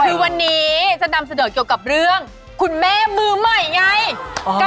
คือวันนี้จะนำเสนอเกี่ยวกับเรื่องคุณแม่มือใหม่ไง